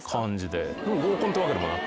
でも合コンってわけでもなく。